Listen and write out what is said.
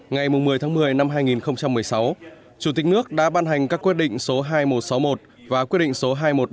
ngày một mươi một mươi hai nghìn một mươi sáu chủ tịch nước đã ban hành các quyết định số hai nghìn một trăm sáu mươi một và quyết định số hai nghìn một trăm bảy mươi sáu